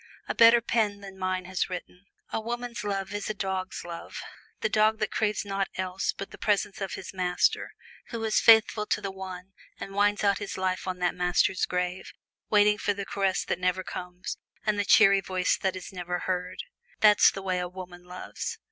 A better pen than mine has written, "A woman's love is a dog's love." The dog that craves naught else but the presence of his master, who is faithful to the one and whines out his life on that master's grave, waiting for the caress that never comes and the cheery voice that is never heard that's the way a woman loves!